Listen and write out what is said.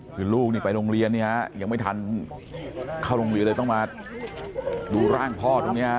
คือลูกนี่ไปโรงเรียนเนี่ยยังไม่ทันเข้าโรงเรียนเลยต้องมาดูร่างพ่อตรงนี้ฮะ